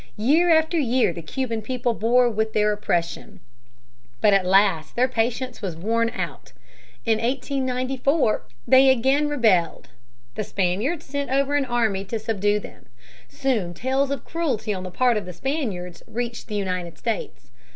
Year after year the Cuban people bore with their oppression. But at last their patience was worn out. In 1894 they again rebelled. The Spaniards sent over an army to subdue them. Soon tales of cruelty on the part of the Spaniards reached the United States.